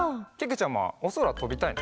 ちゃまおそらとびたいの？